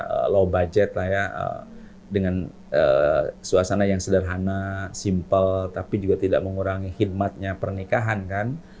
ada low budget lah ya dengan suasana yang sederhana simple tapi juga tidak mengurangi khidmatnya pernikahan kan